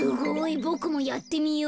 ボクもやってみよう。